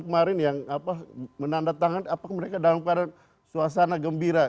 kemarin yang apa menandatangan apa mereka dalam suasana gembira